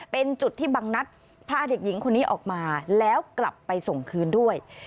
เป็นจุดที่บางนัดพาเด็กหญิงคนนี้ออกมาแล้วกลับไปส่งคืนด้วย